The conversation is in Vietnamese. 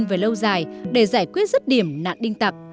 đợi thời gian lâu dài để giải quyết rứt điểm nạn đinh tặc